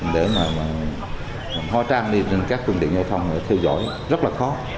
để mà hoa trang đi trên các quân tiện giao thông theo dõi rất là khó